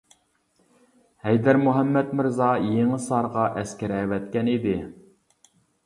ھەيدەر مۇھەممەت مىرزا يېڭىسارغا ئەسكەر ئەۋەتكەن ئىدى.